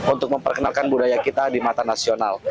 untuk memperkenalkan budaya kita di mata nasional